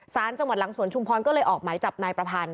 สารจังหวัดหลังสวนชุมพรก็เลยออกหมายจับนายประพันธ์